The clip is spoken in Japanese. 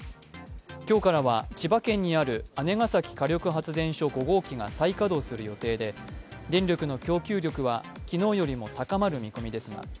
今日からは千葉県にある姉崎火力発電所５号機が電力の供給力は昨日より高まる見込みです。